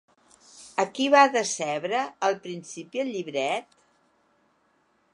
A qui va decebre al principi el llibret?